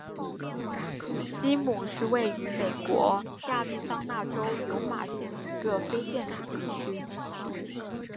基姆是位于美国亚利桑那州尤马县的一个非建制地区。